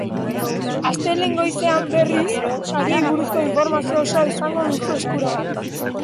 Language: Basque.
Astelehen goizean, berriz, sariei buruzko informazio osoa izango duzu eskuragarri.